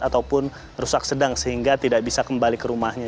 ataupun rusak sedang sehingga tidak bisa kembali ke rumahnya